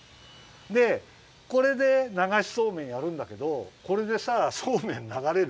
でこれでながしそうめんやるんだけどこれでさそうめんながれる？